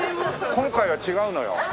今回は違うのよ。